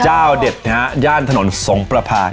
เจ้าเด็ดนะฮะย่านถนนสงประพา